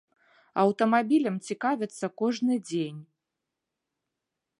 Аўтамабілем цікавяцца кожны дзень.